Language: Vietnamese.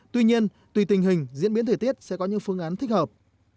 tuy nhiên tùy tình hình diễn biến thời tiết sẽ có những phương án thích hợp